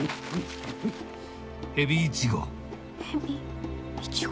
ヘビイチゴ。